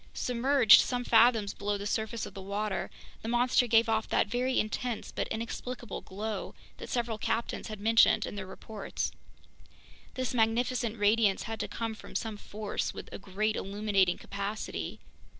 Submerged some fathoms below the surface of the water, the monster gave off that very intense but inexplicable glow that several captains had mentioned in their reports. This magnificent radiance had to come from some force with a great illuminating capacity.